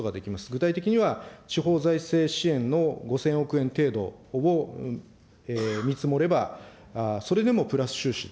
具体的には、地方財政支援の５０００億円程度を見積もれば、それでもプラス収支。